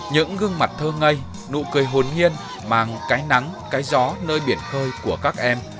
những gương mặt thơ ngây nụ cười hồn hiên mang cái nắng cái gió nơi biển khơi của các em